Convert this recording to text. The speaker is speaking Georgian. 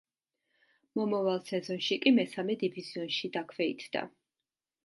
მომავალ სეზონში კი მესამე დივიზიონში დაქვეითდა.